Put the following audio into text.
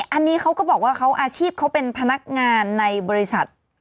อันนี้เขาก็บอกว่าเขาอาชีพเขาเป็นพนักงานในบริษัท